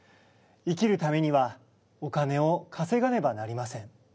生きるためにはお金を稼がねばなりません。